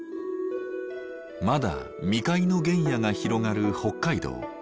まだ未開の原野が広がる北海道。